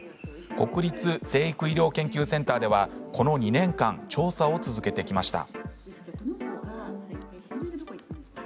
国立成育医療研究センターではこの２年間調査を続けてきました。